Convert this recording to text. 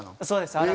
そうです